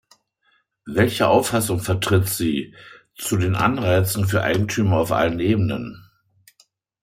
Welche Auffassung vertritt sie zu den Anreizen für Eigentümer auf allen Ebenen?